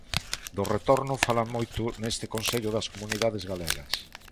Do retorno falan moito neste Consello das Comunidades Galegas.